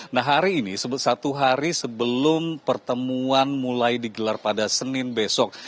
nah hari ini satu hari sebelum pertemuan mulai digelar pada senin besok